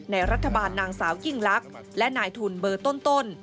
ในรัฐบาลนางสาวยิ่งลักษณ์และนายทุนเบอร์ต้น